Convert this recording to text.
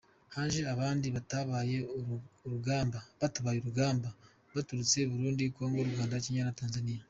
Haje abandi batabaye urugamba baturutse Burundi, Congo, Rwanda, Kenya na Tanzania.